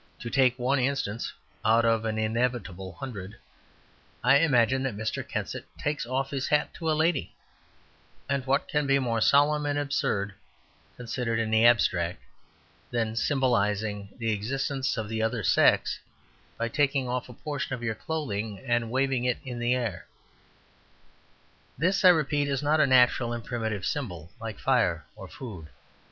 To take one instance out of an inevitable hundred: I imagine that Mr. Kensit takes off his hat to a lady; and what can be more solemn and absurd, considered in the abstract, than, symbolizing the existence of the other sex by taking off a portion of your clothing and waving it in the air? This, I repeat, is not a natural and primitive symbol, like fire or food.